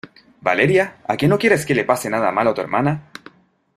¿ Valeria? ¿ a que no quieres que le pase nada malo a tu hermana ?